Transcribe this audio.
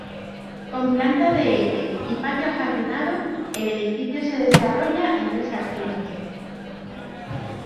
Con planta de L y patio ajardinado, el edificio se desarrolla en tres alturas.